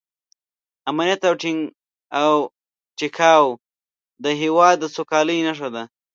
امنیت او ټیکاو د هېواد د سوکالۍ نښه ده.